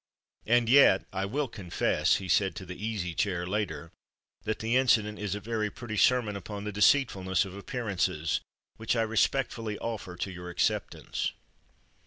"And yet I will confess," he said to the Easy Chair, later, "that the incident is a very pretty sermon upon the deceitfulness of appearances, which I respectfully offer to your acceptance."